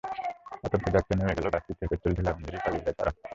আতঙ্কে যাত্রীরা নেমে গেলে বাসটিতে পেট্রল ঢেলে আগুন ধরিয়ে পালিয়ে যায় তারা।